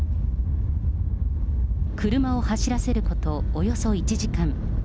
車を走らせることおよそ１時間。